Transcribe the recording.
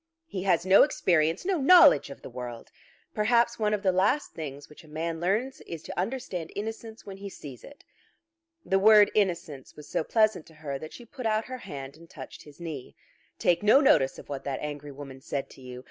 "He has no experience, no knowledge of the world. Perhaps one of the last things which a man learns is to understand innocence when he sees it." The word innocence was so pleasant to her that she put out her hand and touched his knee. "Take no notice of what that angry woman said to you.